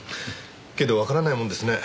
けどわからないもんですね。